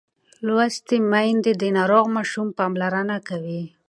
لوستې میندې د ناروغ ماشوم پاملرنه کوي.